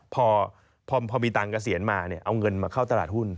พอมีตังค์เกษียณมาเอาเงินมาเข้าตลาดหุ้น